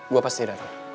gue pasti datang